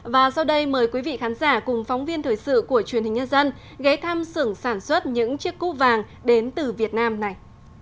và sau đây mời quý vị khán giả cùng phóng viên thời sự của truyền hình nhân dân ghé thăm xưởng sản xuất những chiếc cú vàng đến từ việt nam này